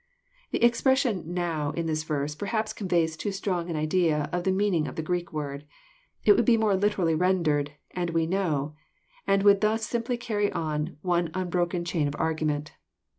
'* The expression "now," in this verse, perhaps conveys too strong an idea of the meaning of the Greek word. It would be more literally rendered, " and we know ;" and would thus simply carry on one unbroken chain of argument.